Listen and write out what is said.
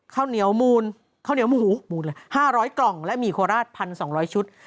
ข้าวเหนียวมูลข้าวเหนียวหมูละ๕๐๐กล่องและหมี่โคราช๑๒๐๐ชุด